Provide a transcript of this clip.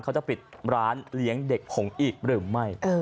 เขาจะปิดร้านเลี้ยงเด็กผงอีกหรือไม่